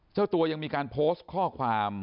เจ้าตัวยังมีการโพสต์ข้อความ